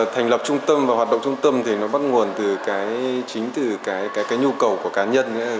thành lập trung tâm và hoạt động trung tâm bắt nguồn chính từ nhu cầu của cá nhân